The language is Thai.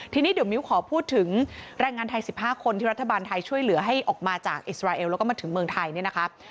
ทีนี้เดี๋ยวมิ้วขอพูดถึงแรงงานไทย๑๕คนที่รัฐบาลไทยช่วยเหลือให้ออกมาจากอิสราเอลแล้วก็มาถึงเมืองไทยเนี่ยนะคะ